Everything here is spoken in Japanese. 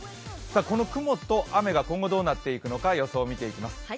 この雲と雨が今後どうなっていくのか予想見ていきます。